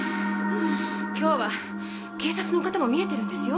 今日は警察の方も見えてるんですよ。